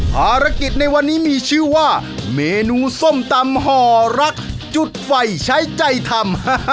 ภารกิจในวันนี้มีชื่อว่าเมนูส้มตำห่อรักจุดไฟใช้ใจทำ